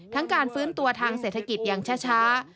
การฟื้นตัวทางเศรษฐกิจอย่างช้า